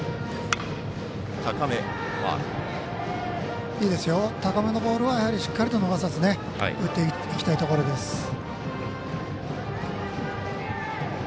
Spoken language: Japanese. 高めのボールはしっかりと逃さず打っていきたいところです。